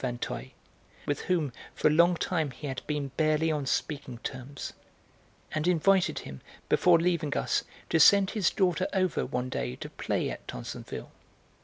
Vinteuil, with whom for a long time he had been barely on speaking terms, and invited him, before leaving us, to send his daughter over, one day, to play at Tansonville.